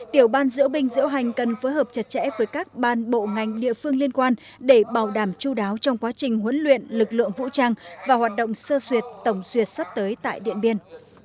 tiểu ban diễu bình diễu hành cần phối hợp chặt chẽ với các ban bộ ngành địa phương liên quan để bảo đảm chú đáo trong quá trình huấn luyện lực lượng vũ trang và hoạt động sơ suyệt tổng suyệt sắp tới tại điện biên